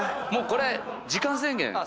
もうこれ時間制限。